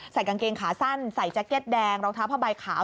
กางเกงขาสั้นใส่แจ็คเก็ตแดงรองเท้าผ้าใบขาว